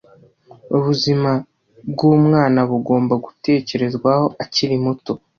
Ubuzima bwumwanaBugomba gutekerezwaho akiri muto